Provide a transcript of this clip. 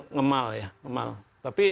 ngemal ya ngemal tapi